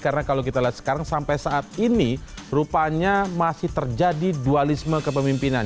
karena kalau kita lihat sekarang sampai saat ini rupanya masih terjadi dualisme kepemimpinan